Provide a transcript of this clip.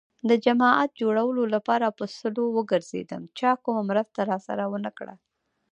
د جماعت جوړولو لپاره په سلو وگرځېدم. چا کومه مرسته راسره ونه کړه.